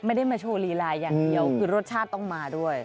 ไม่ได้มาโชว์ลีลาอย่างเดียวคือรสชาติต้องมาด้วย